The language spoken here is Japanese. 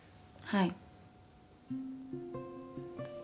はい。